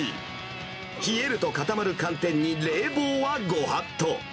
冷えると固まる寒天に冷房はご法度。